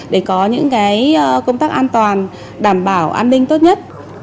để có những công tác an toàn đảm bảo an ninh tốt nhất